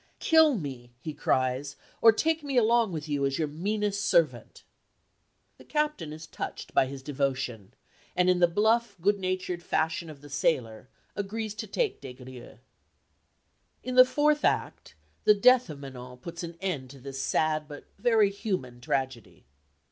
"Kill me," he cries, "or take me along with you as your meanest servant." The captain is touched by his devotion, and in the bluff, good natured fashion of the sailor, agrees to take Des Grieux. In the fourth act the death of Manon puts an end to this sad but very human tragedy.